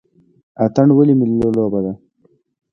اتن ولې ملي لوبه ده؟